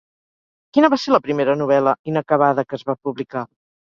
Quina va ser la primera novel·la inacabada que es va publicar?